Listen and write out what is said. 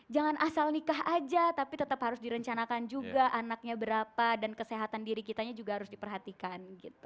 jangan asal nikah aja tapi tetap harus direncanakan juga anaknya berapa dan kesehatan diri kitanya juga harus diperhatikan